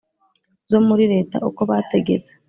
Zo muri Leta uko bategetse